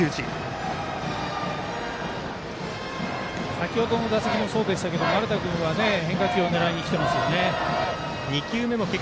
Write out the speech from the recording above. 先ほどの打席もそうでしたけど丸田君は変化球を狙いにきてますよね。